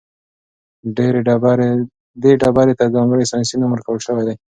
دې ډبرې ته ځانګړی ساینسي نوم ورکړل شوی دی.